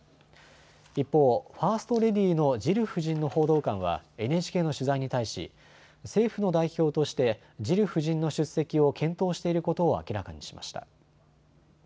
一方、ファーストレディーのジル夫人の報道官はＮＨＫの取材に対し政府の代表としてジル夫人の出席を検討していることを明らかにしました。